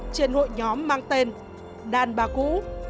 trên hội nhóm mang tên đàn bà cũ